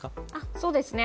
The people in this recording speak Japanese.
そうですね。